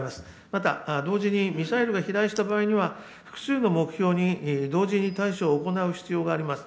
また、同時にミサイルが飛来した場合には、複数の目標に同時に対処を行う必要がございます。